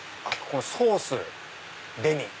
このソースデミ。